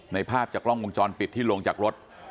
ภาพจากกล้องวงจรปิดที่ลงจากรถ